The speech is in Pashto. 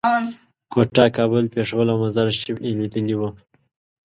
کوټه، کابل، پېښور او مزار شریف یې لیدلي وو.